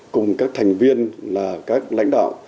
cùng các thành viên là các lãnh đạo